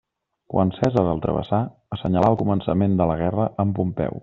Quan Cèsar el travessà, assenyalà el començament de la guerra amb Pompeu.